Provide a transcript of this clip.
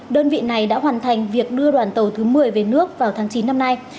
đơn vị này đã hoàn thành việc đưa đoàn tàu thứ một mươi về nước vào tháng chín năm nay